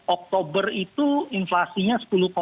oktober itu inflasinya sepuluh